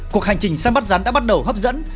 cuộc hành trình săn bắt rắn đã bắt đầu hấp dẫn